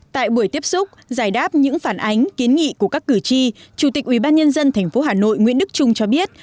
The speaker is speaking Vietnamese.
tại buổi tiếp xúc giải đáp những phản ánh kiến nghị của các cử tri chủ tịch ủy ban nhân dân tp hà nội nguyễn đức trung cho biết